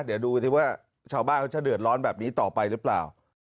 เดี๋ยวดูสิว่าชาวบ้านเขาจะเดือดร้อนแบบนี้ต่อไปหรือเปล่า